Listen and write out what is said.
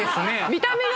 見た目が。